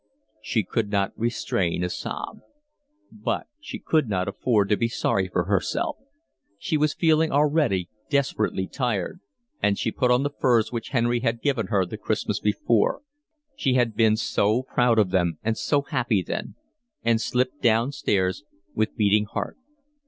She could not restrain a sob. But she could not afford to be sorry for herself; she was feeling already desperately tired; and she put on the furs which Henry had given her the Christmas before—she had been so proud of them and so happy then—and slipped downstairs with beating heart.